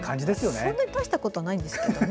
そんなに大したことないんですけどね。